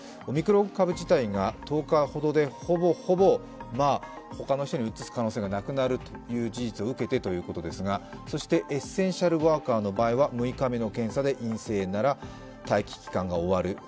オミクロン株自体が１０日ほどで、ほぼほぼ他の人にうつす可能性がなくなるという事実を受けてということですがそしてエッセンシャルワーカーの場合は６日目の検査で陰性なら待機期間が終わる。